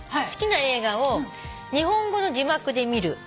好きな映画を日本語の字幕で見る。